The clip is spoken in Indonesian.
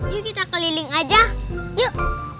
yuk kita keliling aja yuk